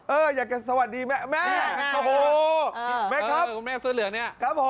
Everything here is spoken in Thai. เอออยากจะสวัสดีแม่แม่โอ้โฮ